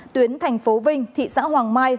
tuyến thành phố vinh thị xã hoàng mai